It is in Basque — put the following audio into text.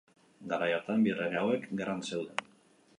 Garai hartan, bi errege hauek gerran zeuden.